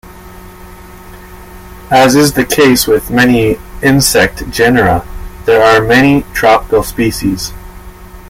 As is the case with many insect genera, there are many tropical species.